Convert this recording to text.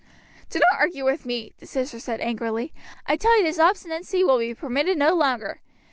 "Do not argue with me," the sister said angrily. "I tell you this obstinacy will be permitted no longer.